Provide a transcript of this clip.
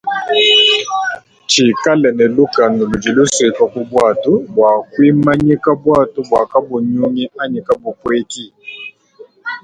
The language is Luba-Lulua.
Tshikale ne lukanu ludi lusuika ku buatu bua kuimanyika buatu bua kabunyunyi anyi kabupueki.